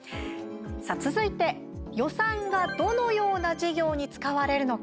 続いて、予算がどのような事業に使われるのか。